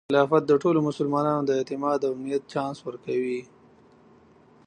خلافت د ټولو مسلمانانو د اعتماد او امنیت چانس ورکوي.